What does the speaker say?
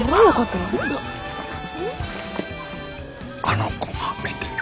あの子が見てる。